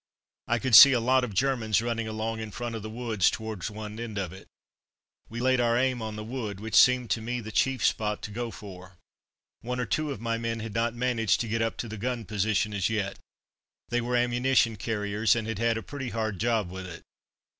I could see a lot of Germans running along in front of the wood towards one end of it. We laid our aim on the wood, which seemed to me the chief spot to go for. One or two of my men had not managed to get up to the gun position as yet. They were ammunition carriers, and had had a pretty hard job with it.